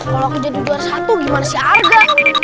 kalau aku jadi juara satu gimana sih harga